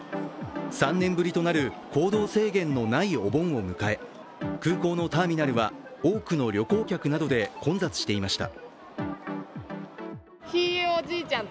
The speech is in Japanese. ３年ぶりとなる行動制限のないお盆を迎え、空港のターミナルは多くの旅行客などで混雑していました。